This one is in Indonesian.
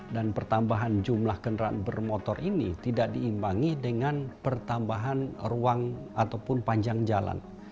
dan pertambahan jumlah kendaraan bermotor ini tidak diimbangi dengan pertambahan ruang ataupun panjang jalan